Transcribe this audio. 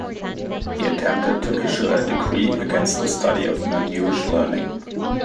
He attempted to issue a decree against the study of non-Jewish learning.